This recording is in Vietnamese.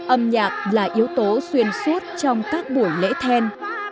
âm nhạc là yếu tố xuyên suốt trong các buổi lễ then